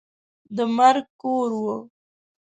د مرګ کور وو.